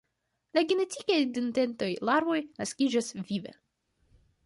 La genetike identaj larvoj naskiĝas vive.